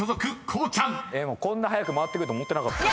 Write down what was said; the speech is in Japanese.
こうちゃん］こんな早く回ってくると思ってなかった。